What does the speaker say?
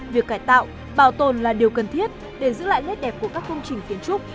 việc cải tạo bảo tồn là điều cần thiết để giữ lại nét đẹp của các công trình kiến trúc